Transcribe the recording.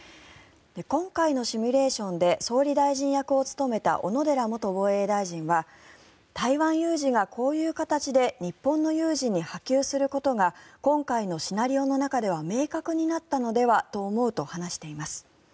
今回のシミュレーションで総理大臣役を務めた小野寺元防衛大臣は台湾有事がこういう形で日本の有事に波及することが今回のシナリオの中では明確になったのではと思うと話しています。